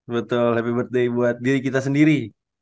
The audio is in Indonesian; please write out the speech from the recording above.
betul happy birthday buat diri kita sendiri